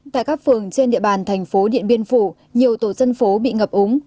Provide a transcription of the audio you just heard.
tại các phường trên địa bàn thành phố điện biên phủ nhiều tổ dân phố bị ngập úng